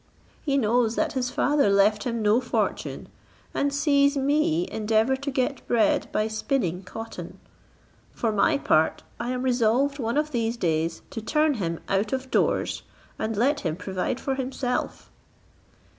He knows that his father left him no fortune, and sees me endeavour to get bread by spinning cotton; for my part, I am resolved one of these days to turn him out of doors, and let him provide for himself."